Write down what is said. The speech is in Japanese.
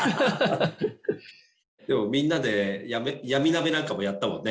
みんなで闇鍋なんかもやったもんね。